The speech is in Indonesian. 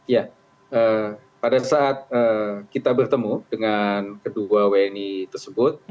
ya pada saat kita bertemu dengan kedua wni tersebut